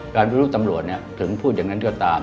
การเป็นลูกตำรวจถึงพูดอย่างนั้นก็ตาม